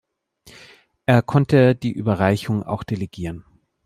Er konnte die Überreichung auch delegieren.